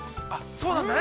◆それなんだね。